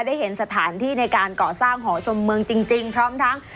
ได้เห็นสถานที่ในการก่อสร้างหอชมเมืองจริงพร้อมทั้ง